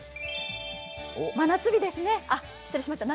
夏日ですね。